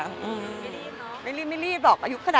เนื้อหาดีกว่าน่ะเนื้อหาดีกว่าน่ะ